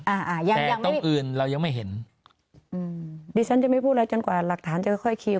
อ่าอ่ายังแต่ตรงอื่นเรายังไม่เห็นอืมดิฉันจะไม่พูดอะไรจนกว่าหลักฐานจะค่อยคิว